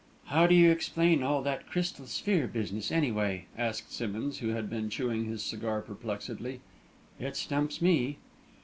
"How do you explain all that crystal sphere business, anyway?" asked Simmonds, who had been chewing his cigar perplexedly. "It stumps me."